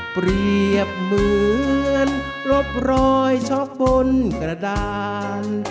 เปรียบเหมือนลบรอยช็อกบนกระดาน